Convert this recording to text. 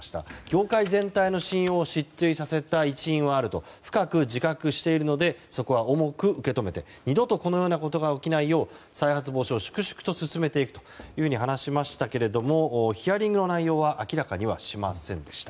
業界全体の信用を失墜させた一因はあると深く自覚しているのでそこは重く受け止めて二度とこのようなことが起きないよう再発防止を粛々と進めていくというふうに話しましたがヒアリングの内容は明らかにはしませんでした。